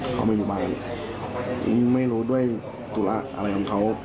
เขาไม่อยู่บ้านไม่รู้ด้วยตุละอะไรของเขา